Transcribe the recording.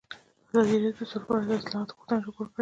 ازادي راډیو د سوله په اړه د اصلاحاتو غوښتنې راپور کړې.